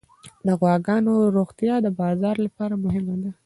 د غواګانو روغتیا د بازار لپاره مهمه ده.